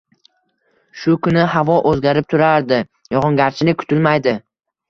Shu kuni havo o‘zgarib turadi, yog‘ingarchilik kutilmaydi